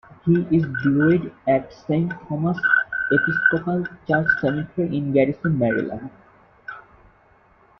He is buried at Saint Thomas' Episcopal Church Cemetery in Garrison, Maryland.